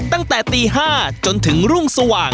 ตั้งแต่ตี๕จนถึงรุ่งสว่าง